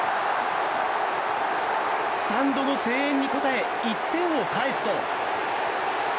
スタンドの声援に応え１点を返すと。